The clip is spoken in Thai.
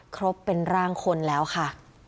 ครบเป็นร่างคนแล้วค่ะ